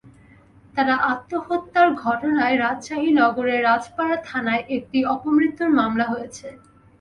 তার আত্মহত্যার ঘটনায় রাজশাহী নগরের রাজপাড়া থানায় একটি অপমৃত্যুর মামলা হয়েছে।